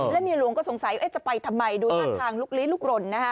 และมีหลวงก็สงสัยจะไปทำไมดูทางลูกลิ้นลูกหล่น